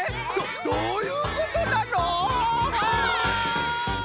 どどういうことなの！？